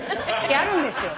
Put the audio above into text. あるんですよ。